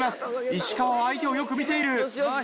石川は相手をよく見ている。